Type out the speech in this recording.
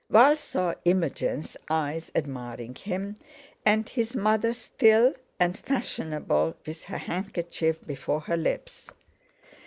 Val saw Imogen's eyes admiring him, and his mother still and fashionable with her handkerchief before her lips.